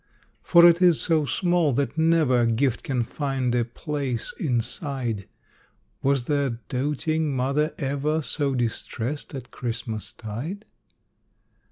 For it is so small that never Gift can find a place inside. Was there doting mother ever So distressed at Christmas tide?